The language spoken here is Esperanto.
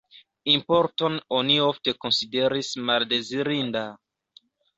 Importon oni ofte konsideris maldezirinda.